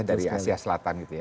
dari asia selatan gitu ya